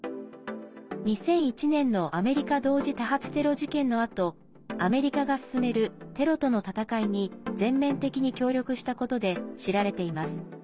２００１年のアメリカ同時多発テロ事件のあとアメリカが進めるテロとの戦いに全面的に協力したことで知られています。